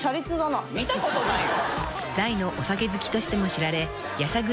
見たことないよ！